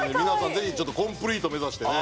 ぜひコンプリート目指してね。